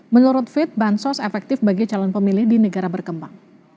menurut fit bansos efektif bagi calon pemilih di negara berkembang